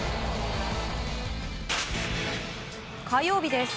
火曜日です。